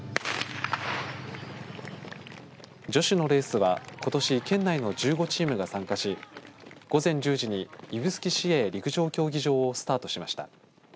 女子のレースはことし県内の１５チームが参加し午前１０時に指宿市営陸上競技場をスタートしました。